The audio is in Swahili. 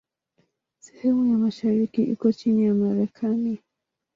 Sehemu ya mashariki iko chini ya Marekani.